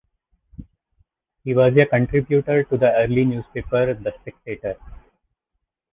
He was a contributor to the early newspaper "The Spectator".